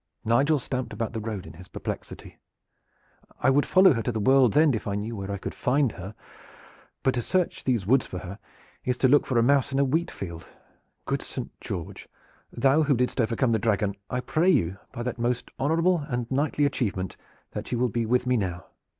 Nigel stamped about the road in his perplexity. "I would follow her to the world's end if I knew where I could find her, but to search these woods for her is to look for a mouse in a wheat field. Good Saint George, thou who didst overcome the Dragon, I pray you by that most honorable and knightly achievement that you will be with me now!